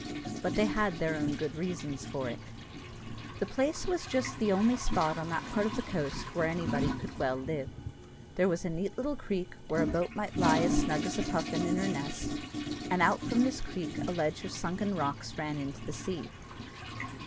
But they had their own good reasons for it. The place was just the only spot on that part of the coast where anybody could well live. There was a neat little creek, where a boat might lie as snug as a puffin in her nest, and out from this creek a ledge of sunken rocks ran into the sea.